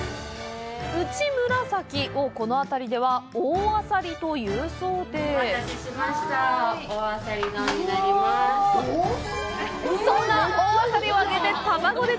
ウチムラサキをこの辺りでは大あさりというそうで。